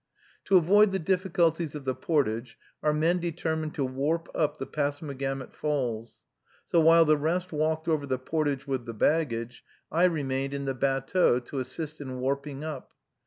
To avoid the difficulties of the portage, our men determined to "warp up" the Passamagamet Falls; so while the rest walked over the portage with the baggage, I remained in the batteau, to assist in warping up.